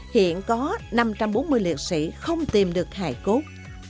hiện có năm trăm bốn mươi liệt sĩ không tìm được hải cốt